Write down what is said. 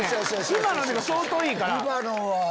今の相当いいから。